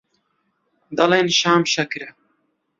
دەڵێن شام شەکرە